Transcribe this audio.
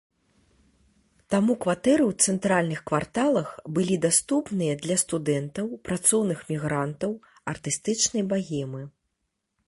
Таму кватэры ў цэнтральных кварталах былі даступныя для студэнтаў, працоўных мігрантаў, артыстычнай багемы.